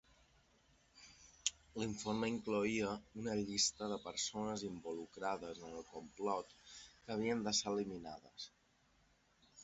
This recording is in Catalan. L'informe incloïa una llista de persones involucrades en el complot que havien de ser eliminades.